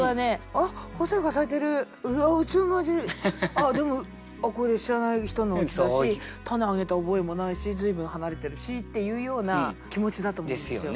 あっでもこれ知らない人のおうちだし種あげた覚えもないし随分離れてるしっていうような気持ちだと思うんですよ。